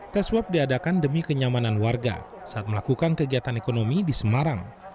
tes swab diadakan demi kenyamanan warga saat melakukan kegiatan ekonomi di semarang